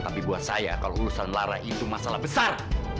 tapi buat saya kalau urusan lara itu masalah besar